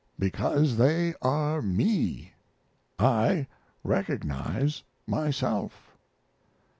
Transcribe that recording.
Because they are me I recognize myself.